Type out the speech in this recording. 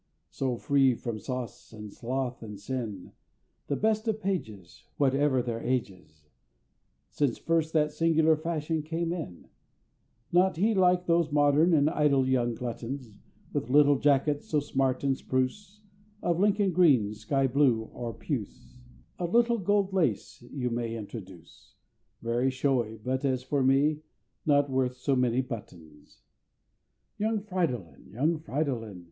So free from sauce, and sloth, and sin, The best of pages Whatever their ages, Since first that singular fashion came in Not he like those modern and idle young gluttons With little jackets, so smart and spruce, Of Lincoln green, sky blue, or puce A little gold lace you may introduce Very showy, but as for use, Not worth so many buttons! Young Fridolin! young Fridolin!